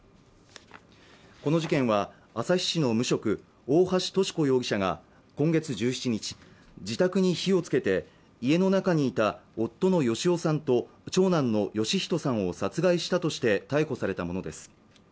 この事件は旭市の無職大橋とし子容疑者が今月１７日自宅に火をつけて家の中にいた夫の芳男さんと長男の芳人さんを殺害したとして逮捕されたものです